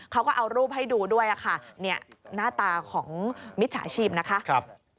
เขาก็เอารูปให้ดูด้วยค่ะเนี่ยหน้าตาของมิจฉาชีพนะคะ